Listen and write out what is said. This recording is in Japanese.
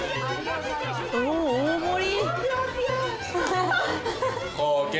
お大盛り！